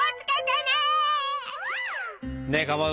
ねえかまど。